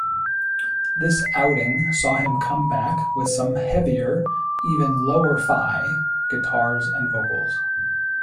This outing saw him come back with some heavier, even lower-fi guitars and vocals.